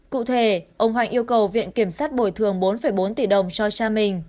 cụ thể ông hạnh yêu cầu viện kiểm sát bồi thường bốn bốn tỷ đồng cho cha mình